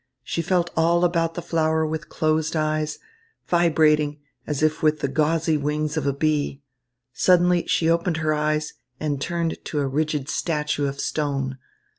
She felt all about the flower with closed eyes, vibrating as if with the gauzy wings of a bee. Suddenly she opened her eyes and turned to a rigid statue of stone.